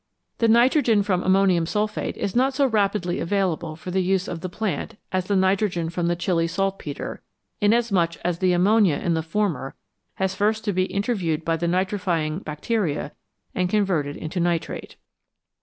The nitrogen from ammonium sulphate is not so rapidly available for the use of the plant as the nitrogen from the Chili saltpetre, inasmuch as the ammonia in the former has first to be interviewed by the nitrifying bacteria and converted into nitrate.